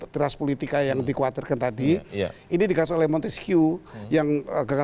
terpisah antara tiga lembaga